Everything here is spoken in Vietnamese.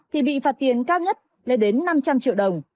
thì bị phạt tiền cao nhất lên đến năm trăm linh triệu đồng